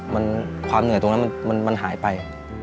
มันความเหนื่อยตรงนั้นมันหายไป